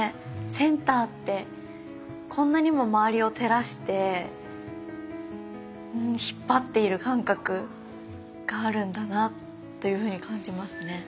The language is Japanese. センターってこんなにも周りを照らして引っ張っている感覚があるんだなというふうに感じますね。